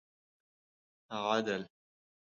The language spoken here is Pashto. عدل